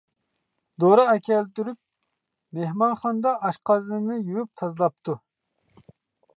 دورا ئەكەلدۈرۈپ مېھمانخانىدا ئاشقازىنىنى يۇيۇپ تازىلاپتۇ.